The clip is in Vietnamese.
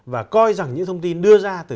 và coi rằng những thông tin đưa ra từ